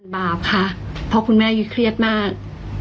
บาปค่ะเพราะคุณแม่ยุ้ยเครียดมาก